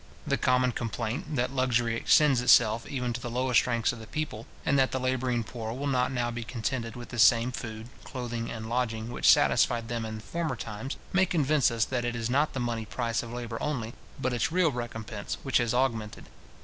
The common complaint, that luxury extends itself even to the lowest ranks of the people, and that the labouring poor will not now be contented with the same food, clothing, and lodging, which satisfied them in former times, may convince us that it is not the money price of labour only, but its real recompence, which has augmented.